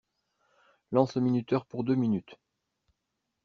Lance le minuteur pour deux minutes.